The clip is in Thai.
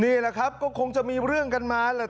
นี่แหละครับก็คงจะมีเรื่องกันมาแหละ